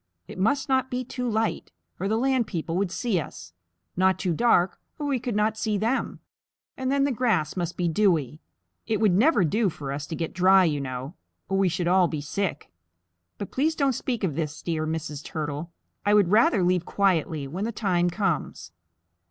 It must not be too light, or the land people would see us; not too dark, or we could not see them. And then the grass must be dewy. It would never do for us to get dry, you know, or we should all be sick. But please don't speak of this, dear Mrs. Turtle. I would rather leave quietly when the time comes."